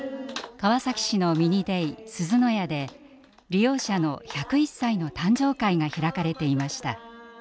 川崎市のミニデイ「すずの家」で利用者の１０１歳の誕生会が開かれていました。